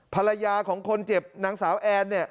ภรรยาของคนเจ็บนางสาวแอนเนี่ย